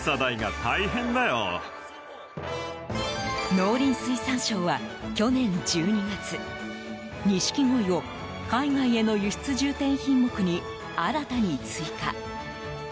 農林水産省は去年１２月ニシキゴイを海外への輸出重点品目に新たに追加。